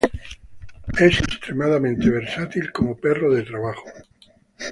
Es extremadamente versátil como perro de trabajo.